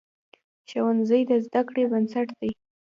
ښوونځی د زده کړې بنسټ دی.